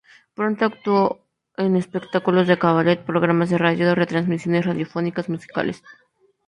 Pronto actuó en espectáculos de cabaret, programas de radio y retransmisiones radiofónicas musicales.